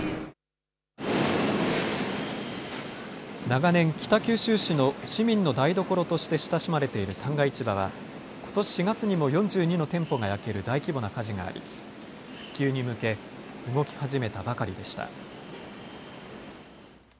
長年、北九州市の市民の台所として親しまれている旦過市場はことし４月にも４２の店舗が焼ける大規模な火事があり復旧に向け動き始めたばかりでした。